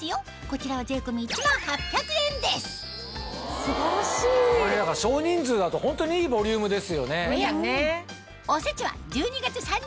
こちらはこれだから少人数だとホントにいいボリュームですよね。